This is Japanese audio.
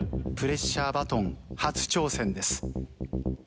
プレッシャーバトン初挑戦です。